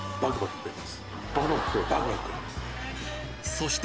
そして